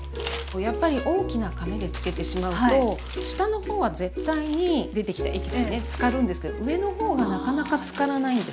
やっぱり大きなかめで漬けてしまうと下のほうは絶対に出てきたエキスねつかるんですけど上のほうはなかなかつからないんですよね。